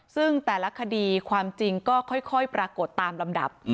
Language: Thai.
ซึ่งแต่ละคดีความจริงก็ค่อยปรากฏตามลำดับ